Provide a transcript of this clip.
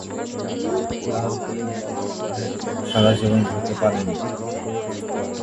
তার এই বাল্য বিবাহের ক্ষোভ সারাজীবন ভুলতে পারেন নি।